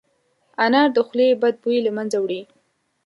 انار د خولې بد بوی له منځه وړي.